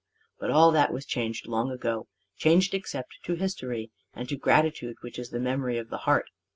But all that was changed long ago changed except to history; and to gratitude which is the memory of the heart.